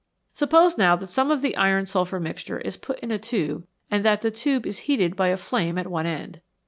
Suppose now that some of the iron sulphur mixture is put in a tube and that the tube is heated by a flame at one end.